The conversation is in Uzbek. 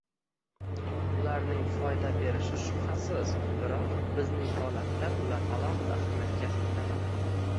Ularning foyda berishi shubhasiz, biroq bizning holatda ular alohida ahamiyat kasb etadilar.